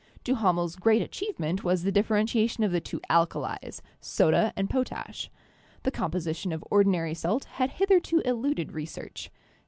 Duhamel's great achievement was the differentiation of the two alkalis, soda and potash. The composition of ordinary salt had hitherto eluded research.